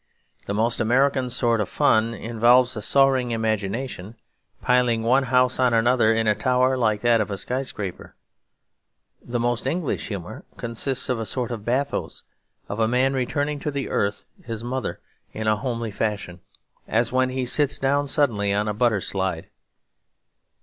The most American sort of fun involves a soaring imagination, piling one house on another in a tower like that of a sky scraper. The most English humour consists of a sort of bathos, of a man returning to the earth his mother in a homely fashion; as when he sits down suddenly on a butter slide.